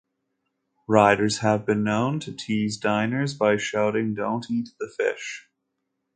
Riders have been known to tease diners by shouting don't eat the fish!